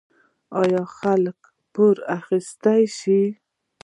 آیا خلک پور اخیستلی شي؟